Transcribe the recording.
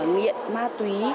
nghiện ma túy